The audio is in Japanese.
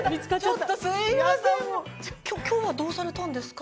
今日はどうされたんですか？